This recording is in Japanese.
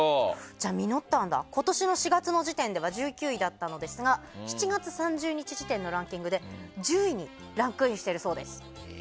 今年の４月の時点では１９位だったのですが７月３０日時点のランキングで１０位にランクインしているそうです。